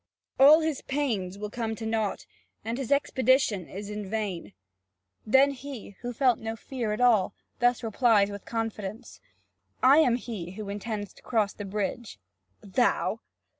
All his pains will come to naught, and his expedition is in vain." Then he, who felt no fear at all, thus replies with confidence: "I am he who intends to cross the bridge." "Thou?